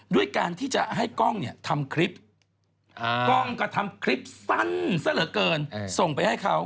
ด้วยการที่จะให้กล้องเนี่ยทำคลิปกล้องก็ทำคลิปสั้นซะเหลือเกินส่งไปให้เขา